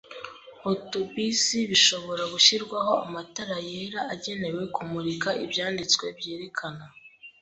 otobisi bishobora gushyirwaho amatara yera agenewe kumurika ibyanditswe byerekana